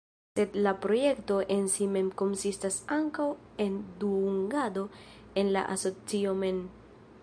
Sed la projekto en si mem konsistas ankaŭ en dungado en la asocio mem.